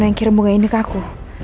ada yang kirim bunga ini ke aku